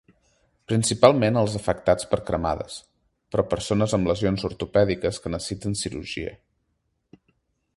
Principalment els afectats per cremades, però persones amb lesions ortopèdiques que necessiten cirurgia.